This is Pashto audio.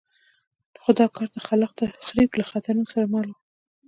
خو دا کار د خلاق تخریب له خطرونو سره مل وو.